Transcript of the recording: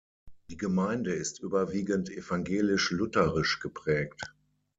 Die Gemeinde ist überwiegend evangelisch-lutherisch geprägt.